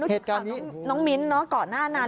เรานุธิกับน้องมิ้นต์ก่อนหน้านั้น